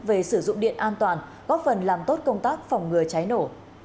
về sử dụng điện an toàn góp phần làm tốt công tác phòng ngừa cháy nổ